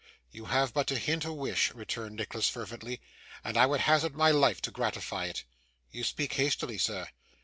'You have but to hint a wish,' returned Nicholas fervently, 'and I would hazard my life to gratify it.' 'You speak hastily, sir.